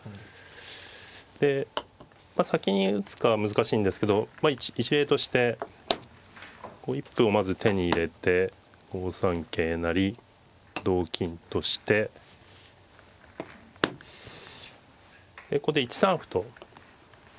で先に打つかは難しいんですけど一例としてこう一歩をまず手に入れて５三桂成同金としてここで１三歩と。